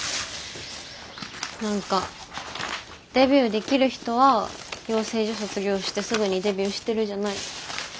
何かデビューできる人は養成所卒業してすぐにデビューしてるじゃない？